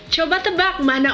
coba tebak mana